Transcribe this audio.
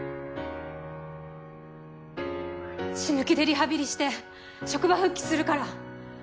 死ぬ気でリハビリして職場復帰するから。